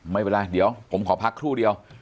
ไม่เป็นไรเดี๋ยวผมขอพักครู่เดียว